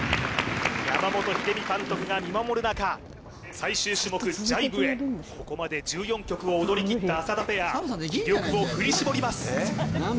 山本英美監督が見守る中最終種目ジャイブへここまで１４曲を踊りきった浅田ペア気力を振り絞ります